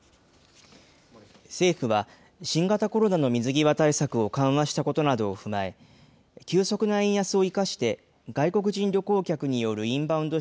政府は新型コロナの水際対策を緩和したことなどを踏まえ、急速な円安を生かして、外国人旅行客によるインバウンド